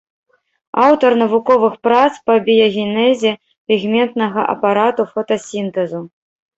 Аўтар навуковых прац па біягенезе пігментнага апарату фотасінтэзу.